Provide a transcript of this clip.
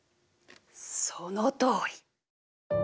そのとおり。